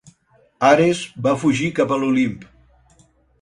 Ares va fugir cap a l'Olimp.